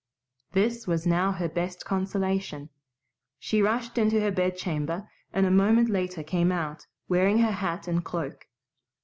This was now her best consolation. She rushed into her bedchamber, and a moment later came out, wearing her hat and cloak.